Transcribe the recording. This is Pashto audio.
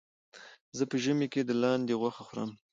زه په ژمي کې د لاندې غوښه خورم.